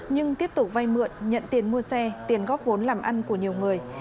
nhưng tiếp tục vay mượn nhận tiền mua xe tiền góp vốn làm ăn của nhiều người